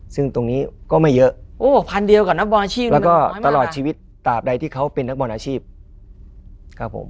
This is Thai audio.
ซึ่งตรงนี้ก็ไม่เยอะแล้วก็ตลอดชีวิตตามใดที่เขาเป็นนักบอร์นอาชีพครับผม